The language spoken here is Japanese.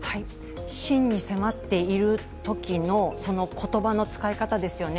真に迫っているときの言葉の使い方ですよね。